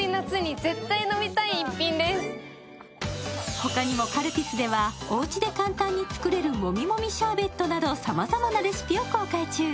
ほかにもカルピスではおうちで簡単に作れるもみもみシャーベットなどさまざまなレシピを公開中。